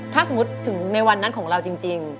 ถ้าสมมุติถึงในวันนั้นของเราจริง